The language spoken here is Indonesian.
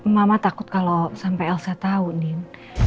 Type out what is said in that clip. mama takut kalau sampai elsa tahu din